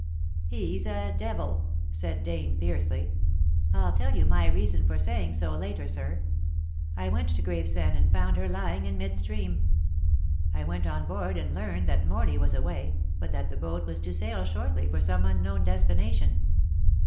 "He's a devil!" said Dane fiercely. "I'll tell you my reason for saying so later, sir. I went to Gravesend and found her lying in mid stream. I went on board and learned that Morley was away, but that the boat was to sail shortly for some unknown destination."